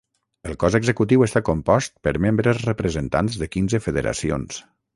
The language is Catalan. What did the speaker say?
El Cos Executiu està compost per membres representants de quinze federacions.